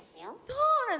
そうなの？